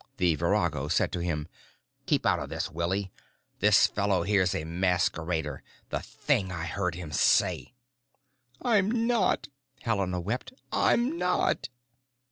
The virago said to him, "Keep out of this, Willie. This fellow here's a masquerader. The thing I heard him say——!" "I'm not," Helena wept. "I'm not!"